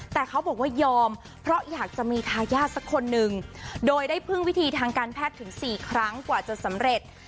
แต่เขาบอกว่ายอมเพราะอยากจะมีทายาทสักคนหนึ่งโดยได้พึ่งวิธีทางการแพทย์ถึง๔ครั้งกว่าจะสำเร็จ